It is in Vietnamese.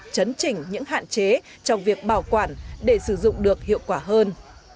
chấn chỉnh những hạn chế trong việc bảo quản để sử dụng được hiệu quả hơn